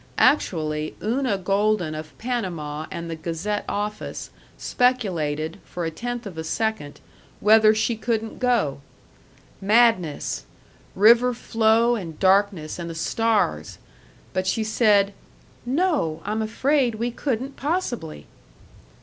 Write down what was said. Actually, Una Golden of Panama and the Gazette office speculated, for a tenth of a second, whether she couldn't go. Madness river flow and darkness and the stars! But she said, "No, I'm afraid we couldn't possibly!"